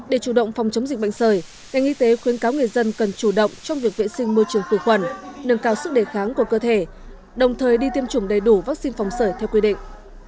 để chủ động phòng chống dịch bệnh sởi ngành y tế khuyến cáo người dân cần chủ động trong việc vệ sinh môi trường tự khuẩn nâng cao sức đề kháng của cơ thể đồng thời đi tiêm chủng đầy đủ vaccine phòng sởi theo quy định